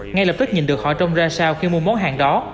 ngay lập tức nhìn được họ trông ra sao khi mua món hàng đó